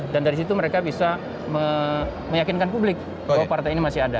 dan dari situ mereka bisa meyakinkan publik bahwa partai ini masih ada